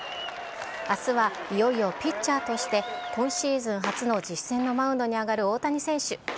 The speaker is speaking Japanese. あすはいよいよピッチャーとして今シーズン初の実戦のマウンドに上がる大谷選手。